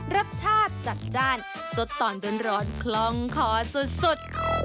รสชาติจัดจ้านสดตอนร้อนคล่องคอสุด